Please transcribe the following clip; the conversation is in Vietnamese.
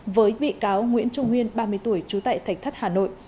với bị cáo nguyễn trung nguyên ba mươi tuổi trú tại thạch thất hà nội